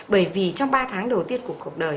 bởi vì trong ba tháng đầu tiên của cuộc đời